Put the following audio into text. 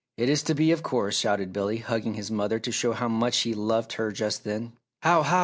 "It is to be, of course!" shouted Billy, hugging his mother to show how much he loved her just then. "How! How!"